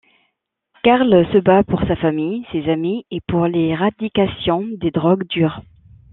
Carl se bat pour sa famille, ses amis et pour l'éradication des drogues dures.